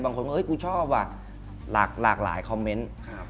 บางคนว่ากูชอบว่ะหลากหลายคอมเมนต์